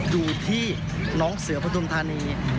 อยู่ที่น้องเสือปฐุมธานี